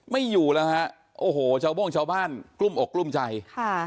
ไม่อยู่แล้วฮะโอ้โหชาวโบ้งชาวบ้านกลุ้มอกกลุ้มใจค่ะ